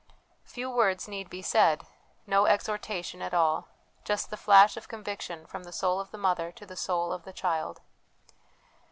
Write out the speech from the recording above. Few words need be said, no exhortation at all ; just the flash of conviction from the soul of the mother to the soul of the child.